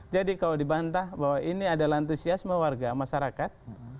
jadi kalau dibantah bahwa ini adalah antusiasme warga masyarakat